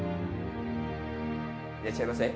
いらっしゃいませ。